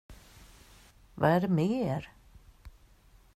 Vad är det med er?